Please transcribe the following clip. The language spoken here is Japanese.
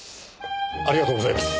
ありがとうございます。